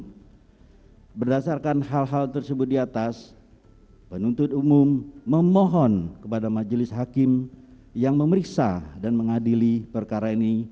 yang berdasarkan hal hal tersebut di atas penuntut umum memohon kepada majelis hakim yang memeriksa dan mengadili perkara ini